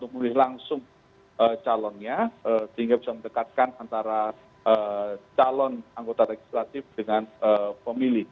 jadi langsung calonnya sehingga bisa mendekatkan antara calon anggota legislatif dengan pemilih